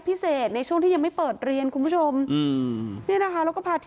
พ่อแม่มาเห็นสภาพศพของลูกร้องไห้กันครับขาดใจ